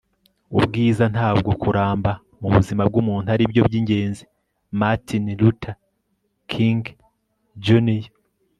ubwiza, ntabwo kuramba, mu buzima bw'umuntu aribyo by'ingenzi. - martin luther king, jr